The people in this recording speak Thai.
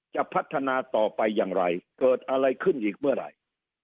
จะพัฒนาต่อไปอย่างไรเกิดอะไรขึ้นอีกเมื่อไหร่